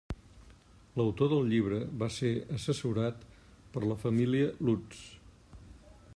L'autor del llibre va ser assessorat per la família Lutz.